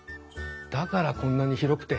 だからこんなに広くて。